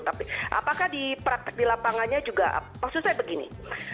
tapi apakah di praktek di lapangannya juga maksud saya begini